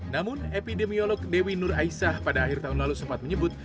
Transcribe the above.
namun epidemiolog dewi nur aisah pada akhir tahun lalu sempat menyebut